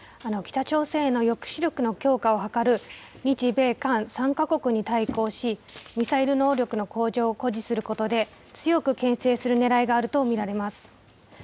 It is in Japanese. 北朝鮮への抑止力の強化を図る日米韓３か国に対抗し、ミサイル能力の向上を誇示することで、強くけん制するねらいがあると見られます。